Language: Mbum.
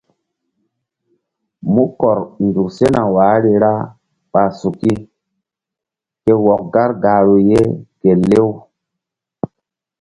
Mu kɔr nzuk sena wahri ra ɓa suki ke wɔk gar gahru ye ke lew.